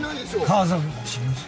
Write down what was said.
家族が死ぬぞ。